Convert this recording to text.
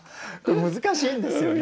難しいんですよね。